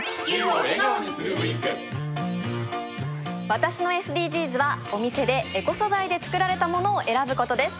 私のＳＤＧｓはお店でエコ素材で作られたものを選ぶことです。